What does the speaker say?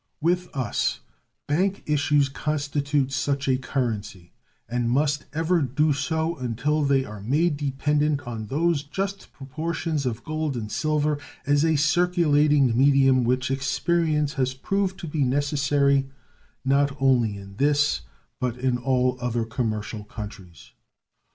With us bank issues constitute such a currency, and must ever do so until they are made dependent on those just proportions of gold and silver as a circulating medium which experience has proved to be necessary not only in this but in all other commercial countries.